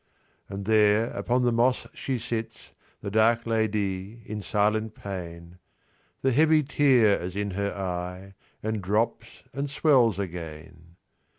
And there upon the moss she sits, 5 The Dark Ladié in silent pain; The heavy tear is in her eye, And drops and swells again.